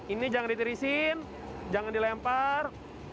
ini jangan ditirisin jangan dilempar